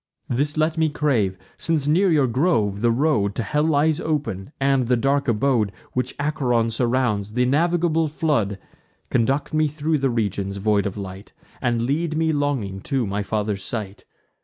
This let me crave, since near your grove the road To hell lies open, and the dark abode Which Acheron surrounds, th' innavigable flood; Conduct me thro' the regions void of light, And lead me longing to my father's sight.